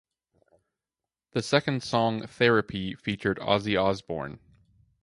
The second song "Therapy" featured Ozzy Osbourne.